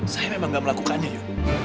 saya memang tidak melakukannya